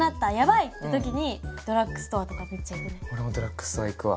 俺もドラッグストア行くわ。